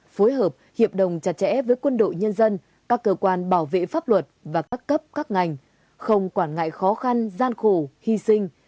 phối hợp hiệp đồng chặt chẽ với quân đội nhân dân các cơ quan bảo vệ pháp luật và các cấp các ngành không quản ngại khó khăn gian khổ hy sinh